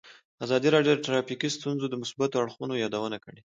ازادي راډیو د ټرافیکي ستونزې د مثبتو اړخونو یادونه کړې.